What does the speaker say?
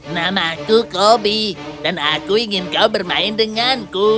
nama aku kobi dan aku ingin kau bermain denganku